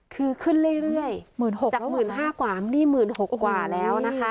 คือขึ้นเรื่อยเรื่อยเมื่อนหกจากหมื่นห้ากว่านี่หมื่นหกกว่าแล้วนะคะ